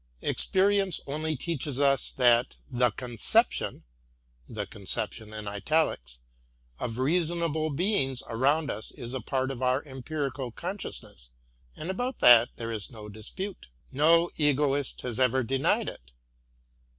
Experience only teaches us that the conception of reasonable beings around us is a part of our empirical consciousness; and about that there is no dispute, — no Egoist has ever denied it.